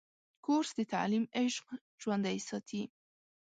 کورس د تعلیم عشق ژوندی ساتي.